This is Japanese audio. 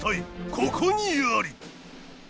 ここにあり！